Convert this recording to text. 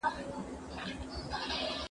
پردی وطن دی ماخستن دی